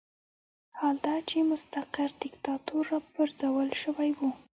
حال دا چې مستقر دیکتاتور راپرځول شوی وي.